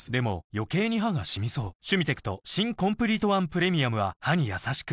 でも余計に歯がシミそう「シュミテクト新コンプリートワンプレミアム」は歯にやさしく